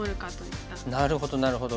なるほどなるほど。